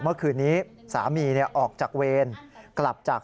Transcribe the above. เมื่อคืนนี้สามีออกจากเวรกลับจาก